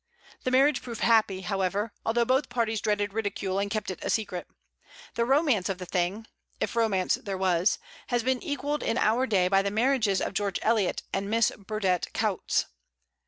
The marriage proved happy, however, although both parties dreaded ridicule, and kept it secret. The romance of the thing if romance there was has been equalled in our day by the marriages of George Eliot and Miss Burdett Coutts.